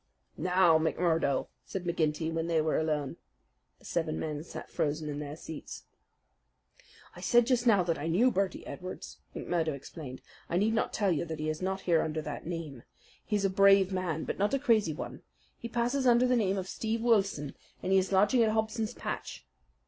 "Now, McMurdo!" said McGinty when they were alone. The seven men sat frozen in their seats. "I said just now that I knew Birdy Edwards," McMurdo explained. "I need not tell you that he is not here under that name. He's a brave man, but not a crazy one. He passes under the name of Steve Wilson, and he is lodging at Hobson's Patch."